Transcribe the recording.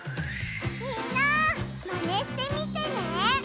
みんなマネしてみてね！